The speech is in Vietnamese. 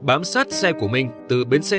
bám sát xe của minh từ bến xe